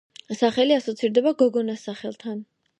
სახელი ასოცირდება გოგონას სახელთან.